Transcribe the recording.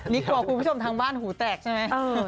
นี่กลัวคุณผู้ชมทางบ้านหูแตกใช่ไหม